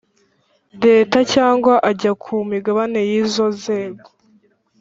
Leta cyangwa ajya ku migabane y izo nzego